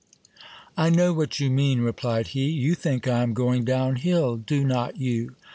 I know what you mean, replied he. You think I am going down hill, do not you